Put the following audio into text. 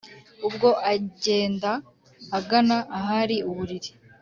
ubwo agenda agana ahari uburiri